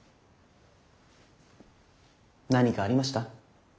何かありました？